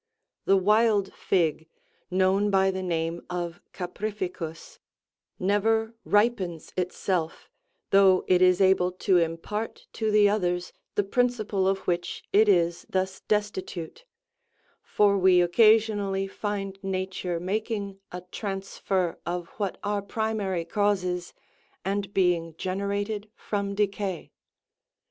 (19.) The wild fig,78 known by the name of " caprificus," never ripens itself, though it is able to impart to the others the principle of which it is thus destitute ; for we occasionally find Nature making a transfer of what are primary causes, and being gene rated from decay.